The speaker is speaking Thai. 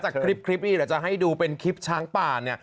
แต่คลิปนี้เดี๋ยวจะให้ดูเป็นคลิปช้างป่า